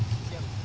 sudah ya mas ya